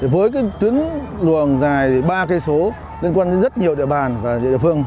với cái tuyến luồng dài ba km liên quan đến rất nhiều địa bàn và địa phương